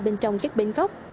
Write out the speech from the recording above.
bên trong các bến góc